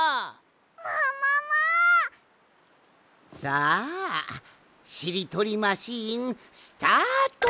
さあしりとりマシーンスタート！